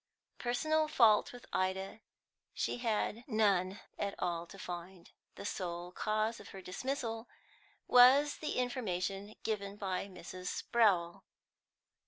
Personal fault with Ida she had none at all to find; the sole cause of her dismissal was the information given by Mrs. Sprowl.